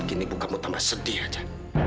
ini bukan pertama sedih aja